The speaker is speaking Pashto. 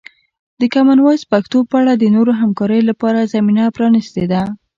د کامن وایس پښتو په اړه د نورو همکاریو لپاره زمینه پرانیستې ده.